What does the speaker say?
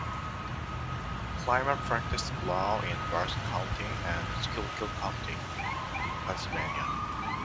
Clymer practiced law in Berks County and Schuylkill County, Pennsylvania.